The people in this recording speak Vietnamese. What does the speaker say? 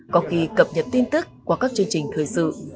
có khi cập nhật tin tức qua các chương trình thời sự